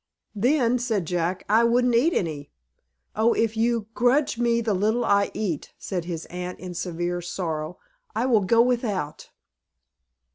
"Then," said Jack, "I wouldn't eat any." "Oh, if you grudge me the little I eat," said his aunt, in severe sorrow, "I will go without."